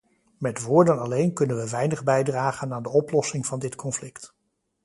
Met woorden alleen kunnen we weinig bijdragen aan de oplossing van dit conflict.